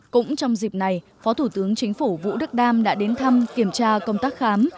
cũng trong dịp này phó thủ tướng chính phủ vũ đức đam đã đến thăm kiểm tra công tác khám